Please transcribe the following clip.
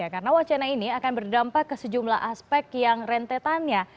karena wacana ini akan berdampak ke sejumlah aspek yang rentetannya